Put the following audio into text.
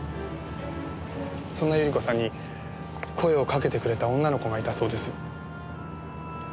そんな百合子さんに声をかけてくれた女の子がいたそうです。